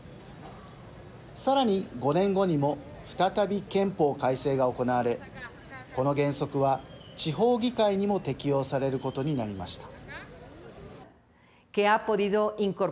さらに５年後にも再び憲法改正が行われこの原則は地方議会にも適用されることになりました。